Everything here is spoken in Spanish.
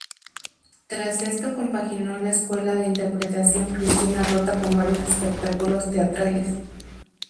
Tras esto compaginó la escuela de interpretación Cristina Rota con varios espectáculos teatrales.